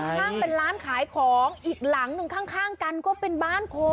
ข้างเป็นร้านขายของอีกหลังหนึ่งข้างกันก็เป็นบ้านคน